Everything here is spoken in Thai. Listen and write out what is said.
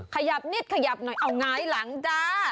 ขยับนิดขยับหน่อยเอาหงายหลังจ้า